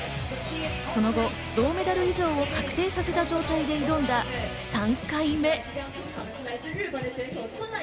その後、銅メダル以上を確定させた状態で挑んだ３回目。